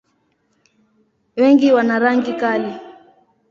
Wengi wana rangi kali.